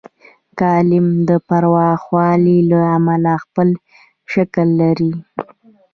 کالم د پراخوالي له امله خپل شکل لري.